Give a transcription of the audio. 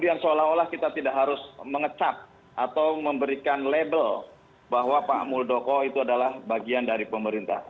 dan seolah olah kita tidak harus mengecap atau memberikan label bahwa pak muldoko itu adalah bagian dari pemerintah